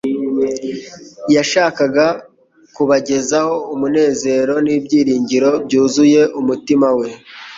yashakaga kubagezaho umunezero n'ibyiringiro byuzuye umutima we.